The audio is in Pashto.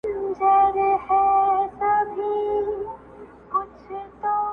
زه چي هر څومره زړيږم حقیقت را څرګندیږي-